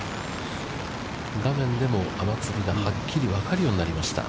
画面でも雨粒がはっきり分かるようになりました。